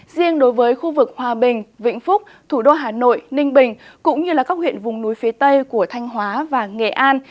riêng đối với khu vực hòa bình vĩnh phúc thủ đô hà nội ninh bình cũng như các huyện vùng núi phía tây của thanh hóa và nghệ an